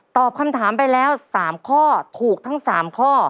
ตอบคำถามไปแล้ว๓ข้อถูกทั้ง๓ข้อ